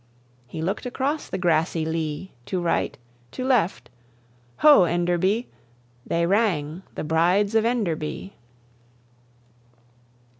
He looked across the grassy lea, To right, to left, "Ho, Enderby!" They rang "The Brides of Enderby!"